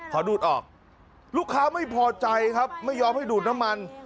ขอดูดออกลูกค้าไม่พอใจครับไม่ยอมให้ดูดน้ำมัน